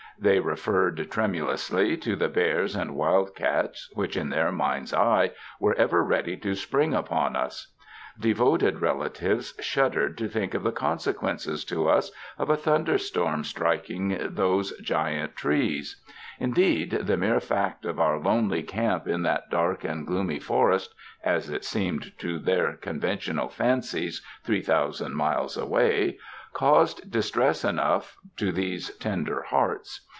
They referred tremulously to the bears and wildcats which in their mind's eye, were ever ready to spring upon us. Devoted rela tives shuddered to think of the consequences to us of a tliunderstonn striking those giant trees. In 52 THE MOUNTAINS deed the mere fact of our lonely camp in that dark and gloomy forest (as it seemed to their conven tional fancies, three thousand miles away) caused distress enough to these tender hearts.